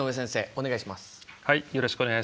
お願いします。